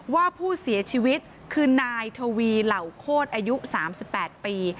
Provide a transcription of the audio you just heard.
ว่าผู้เสียชีวิตคือนายทวีเหล่าโคตรอายุ๓๘ปี